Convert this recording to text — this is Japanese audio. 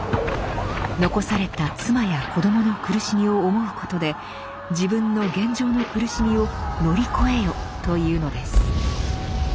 残された妻や子どもの苦しみを思うことで自分の現状の苦しみを乗り越えよと言うのです。